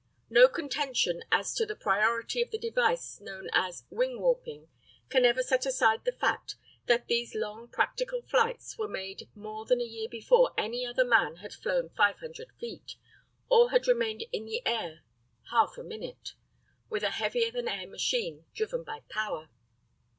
No contention as to the priority of the device known as wing warping can ever set aside the fact that these long practical flights were made more than a year before any other man had flown 500 feet, or had remained in the air half a minute, with a heavier than air machine driven by power.